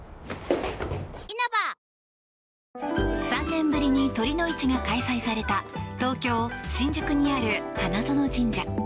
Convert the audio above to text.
３年ぶりに酉の市が開催された東京・新宿にある花園神社。